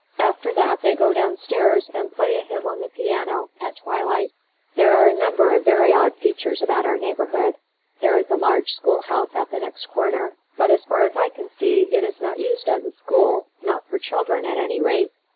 After that, they go downstairs and play a hymn on the piano, at twilight. There are a number of very odd features about our neighbourhood. There is a large schoolhouse at the next corner, but as far as I can see, it is not used as a school, not for children, at any rate.